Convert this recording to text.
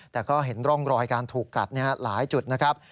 แต่ก็เห็นร่องรอยการถูกกัดหลายจุดนะครับ